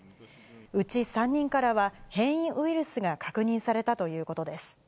うち３人からは、変異ウイルスが確認されたということです。